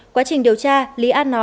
quá trình điều tra lý an nó bảo thủ